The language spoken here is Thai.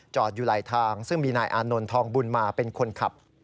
อยู่หลายทางซึ่งมีนายอานนท์ทองบุญมาเป็นคนขับ